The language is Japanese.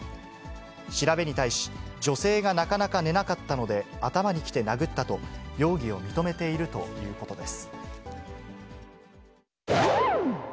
調べに対し、女性がなかなか寝なかったので、頭にきて殴ったと、容疑を認めているということです。